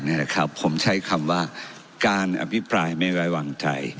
สไลด์อันแรกผมใช่คำว่าการอภิปรายเมวัยว่างใจ